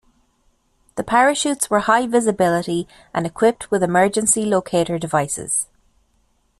The parachutes were high-visibility and equipped with emergency locater devices.